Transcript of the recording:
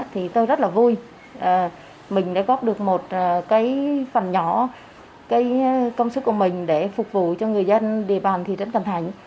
thì tôi rất là vui mình đã góp được một cái phần nhỏ công sức của mình để phục vụ cho người dân đề bàn thị trấn cần thạnh